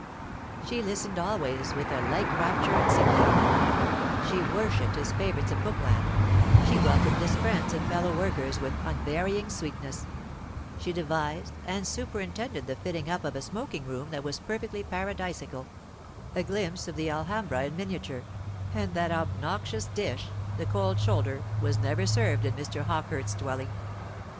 She listened always with a like rapture and sympathy; she worshipped his favourites of Bookland; she welcomed his friends and fellow workers with unvarying sweetness; she devised and superintended the fitting up of a smoking room that was perfectly paradisaical, a glimpse of the Alhambra in miniature; and that obnoxious dish, the cold shoulder, was never served in Mr. Hawkehurst's dwelling.